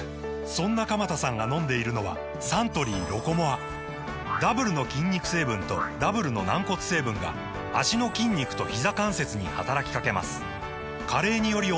そんな鎌田さんが飲んでいるのはサントリー「ロコモア」ダブルの筋肉成分とダブルの軟骨成分が脚の筋肉とひざ関節に働きかけます加齢により衰える歩く速さを維持することが報告されています